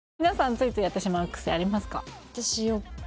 ついついやってしまう癖ありますか？